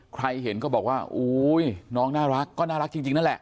ใครเห็นก็บอกว่าอุ้ยน้องน่ารักก็น่ารักจริงนั่นแหละ